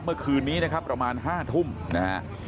เมื่อคืนนี้นะครับประมาณ๕ทุ่มนะฮะ